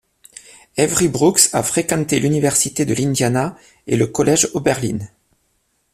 Avery Brooks a fréquenté l'université de l'Indiana et le collège Oberlin.